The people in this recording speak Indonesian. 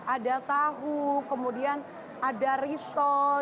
ada tahu kemudian ada risol